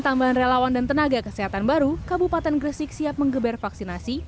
tambahan relawan dan tenaga kesehatan baru kabupaten gresik siap menggeber vaksinasi